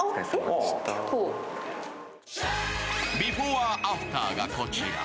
ビフォー・アフターがこちら。